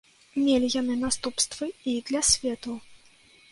Мелі яны наступствы і для свету.